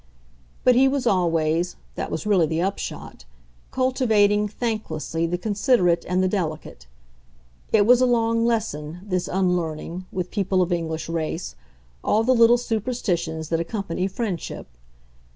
But he was always that was really the upshot cultivating thanklessly the considerate and the delicate: it was a long lesson, this unlearning, with people of English race, all the little superstitions that accompany friendship.